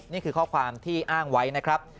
นี่คือข้อความที่อ้างไว้นะครับ